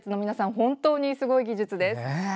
本当にすごい技術です。